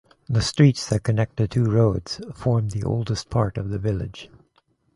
The streets that connect the two roads form the oldest part of the village.